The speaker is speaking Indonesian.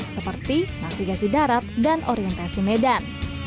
seperti navigasi darat dan orientasi medan